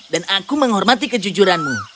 dan aku menghormati kejujuranmu